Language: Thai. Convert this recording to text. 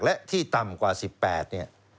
และที่ต่ำกว่า๑๘เนี่ย